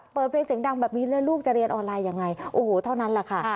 เปิดเพลงเสียงดังแบบนี้แล้วลูกจะเรียนออนไลน์ยังไงโอ้โหเท่านั้นแหละค่ะ